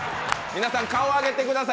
皆さん顔上げてください。